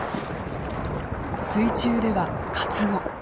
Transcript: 水中ではカツオ。